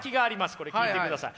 これ聞いてください。